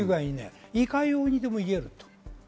いかようにでも言えます。